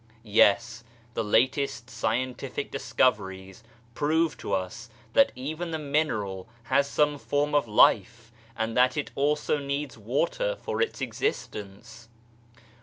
Yes, the latest scientific discoveries prove to us that even the mineral has some form of life, and that it also needs water for its existence.